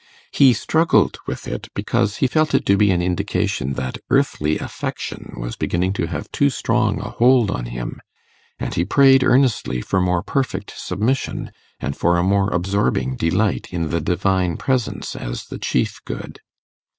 He struggled with it, because he felt it to be an indication that earthly affection was beginning to have too strong a hold on him, and he prayed earnestly for more perfect submission, and for a more absorbing delight in the Divine Presence as the chief good.